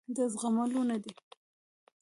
د زغملو نه دي.